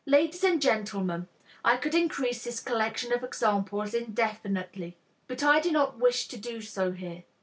Ladies and gentlemen, I could increase this collection of examples indefinitely. But I do not wish to do so here.